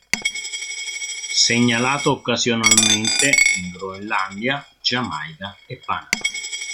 Segnalato occasionalmente in Groenlandia, Giamaica e Panama.